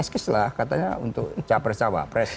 deskis lah katanya untuk capres capapres